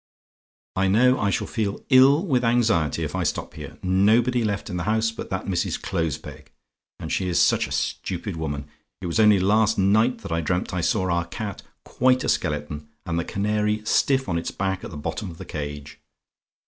"I know I shall feel ill with anxiety if I stop here. Nobody left in the house but that Mrs. Closepeg. And she is such a stupid woman. It was only last night that I dreamt I saw our cat quite a skeleton, and the canary stiff on its back at the bottom of the cage.